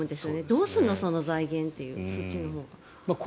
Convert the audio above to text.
どうすんの、その財源っていうそっちのほうが。